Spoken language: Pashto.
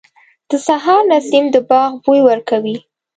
• د سهار نسیم د باغ بوی ورکوي.